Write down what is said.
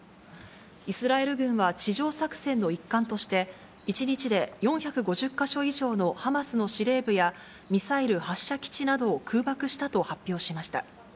イスラエル軍は地上作戦の一環として、１日で４５０か所以上のハマスの司令部やミサイル発射基地などを空爆したと発表しました。